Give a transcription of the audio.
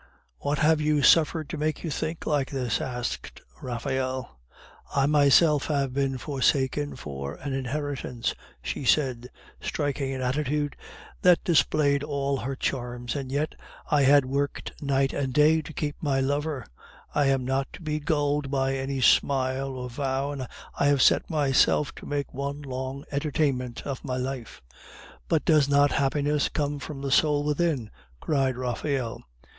"What have you suffered to make you think like this?" asked Raphael. "I myself have been forsaken for an inheritance," she said, striking an attitude that displayed all her charms; "and yet I had worked night and day to keep my lover! I am not to be gulled by any smile or vow, and I have set myself to make one long entertainment of my life." "But does not happiness come from the soul within?" cried Raphael.